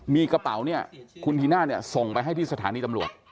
มีกระเป๋าเนี่ยคุณธีน่าเนี่ยส่งไปให้ที่สถานีตำรวจ